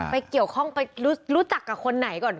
ไปเกี่ยวข้องไปรู้จักกับคนไหนก่อน